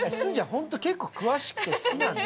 本当に詳しくて好きなんだ？